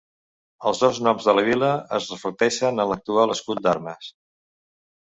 Els dos noms de la vila es reflecteixen en l'actual escut d'armes.